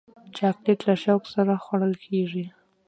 چاکلېټ له شوق سره خوړل کېږي.